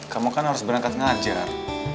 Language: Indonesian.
kamu kan harus berangkat ngajar